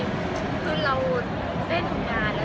พวกเจ้านักมูลทุกคนก็ได้ดีกัน